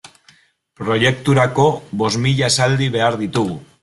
Proiekturako bost mila esaldi behar ditugu.